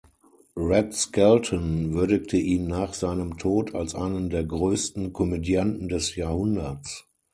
Red Skelton würdigte ihn nach seinem Tod als einen der „größten Komödianten des Jahrhunderts“.